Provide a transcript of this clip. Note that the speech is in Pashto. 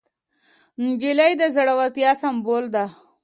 نجلۍ د زړورتیا سمبول ده.